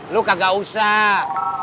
lu kagak usah